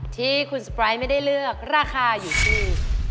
ที่คุณสปายไม่ได้เลือกราคาอยู่ที่